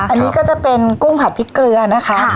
อันนี้ก็จะเป็นกุ้งผัดพริกเกลือนะคะ